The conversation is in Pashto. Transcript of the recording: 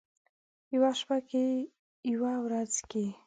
یوه شپه که یوه ورځ کې،